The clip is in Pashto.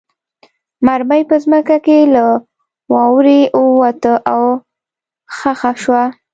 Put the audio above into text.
مرمۍ په ځمکه کې له واورې ووته او خښه شوه